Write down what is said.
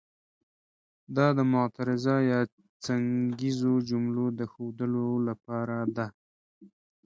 دا د معترضه یا څنګیزو جملو د ښودلو لپاره ده.